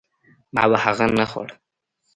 ما به هغه نه خوړ.